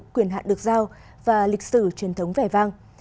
quyền hạn được giao và lịch sử truyền thống vẻ vang